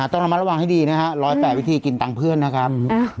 ต้องระมัดระวังให้ดีนะฮะ๑๐๘วิธีกินตังค์เพื่อนนะครับ